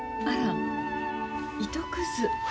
あら糸くず。